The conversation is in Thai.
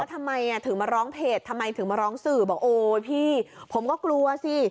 ทำไมถึงมาร้องเพจทำไมถึงมาร้องสื่อบอกโอ้ยพี่ผมก็กลัวสิ